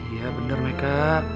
iya bener meka